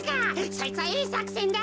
そいつはいいさくせんだ。